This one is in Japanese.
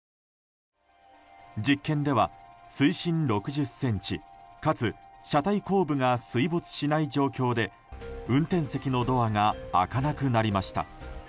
実験では、水深６０ｃｍかつ車体後部が水没しない状況で運転席のドアが開かなくなりました。